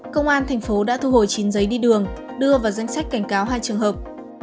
công an thành phố đã thu hồi chín giấy đi đường đưa vào danh sách cảnh cáo hai trường hợp